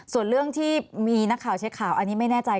ส่วนเรื่องที่มีนักข่าวเช็คข่าวอันนี้ไม่แน่ใจ